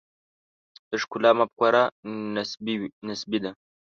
د ښکلا مفکوره نسبي ده.